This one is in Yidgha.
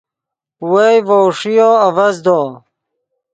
وئے ڤؤ ݰیو آڤزدو